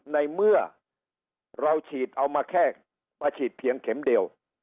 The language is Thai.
ในเมื่อเราฉีดเอามาแค่มาฉีดเพียงเข็มเดียว